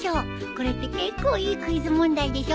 これって結構いいクイズ問題でしょ。